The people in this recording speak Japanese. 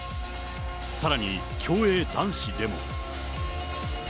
さらに競泳男子でも。